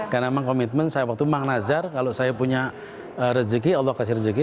karena memang komitmen saya waktu mang nazar kalau saya punya rezeki allah kasih rezeki